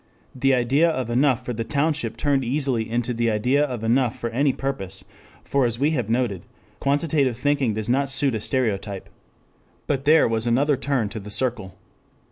The idea of enough for the township turned easily into the idea of enough for any purpose, for as we have noted, quantitative thinking does not suit a stereotype. But there was another turn to the circle.